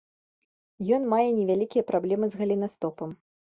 Ён мае невялікія праблемы з галенастопам.